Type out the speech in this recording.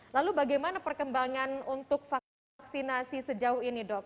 lalu bagaimana perkembangan untuk vaksinasi sejauh ini dok